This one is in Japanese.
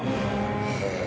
へえ。